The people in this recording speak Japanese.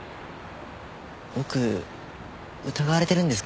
僕疑われてるんですか？